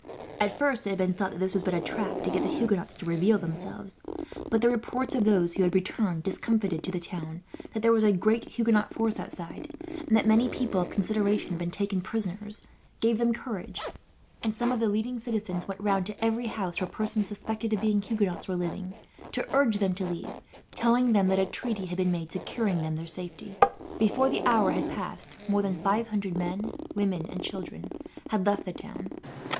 At first it had been thought that this was but a trap, to get the Huguenots to reveal themselves; but the reports of those who had returned, discomfited, to the town, that there was a great Huguenot force outside, and that many people of consideration had been taken prisoners, gave them courage; and some of the leading citizens went round, to every house where persons suspected of being Huguenots were living, to urge them to leave, telling them that a treaty had been made securing them their safety. Before the hour had passed, more than five hundred men, women, and children had left the town.